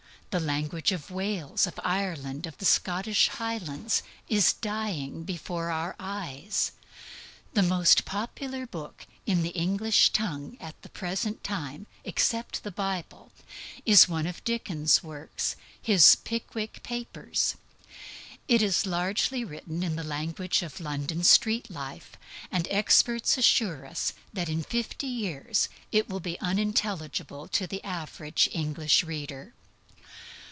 The language of Wales, of Ireland, of the Scottish Highlands is dying before our eyes. The most popular book in the English tongue at the present time, except the Bible, is one of Dickens' works, his Pickwick Papers. It is largely written in the language of London street life; and experts assure us that in fifty years it will be unintelligible to the average English reader.